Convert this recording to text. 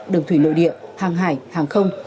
đường thủy nội địa hàng hải hàng không